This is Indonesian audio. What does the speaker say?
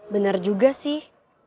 bener juga sih